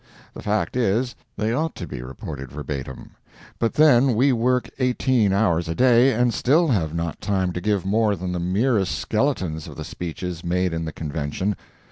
The fact is, they ought to be reported verbatim, but then we work eighteen hours a day, and still have not time to give more than the merest skeletons of the speeches made in the Convention.